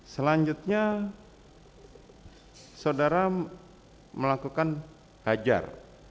selanjutnya saudara melakukan hajar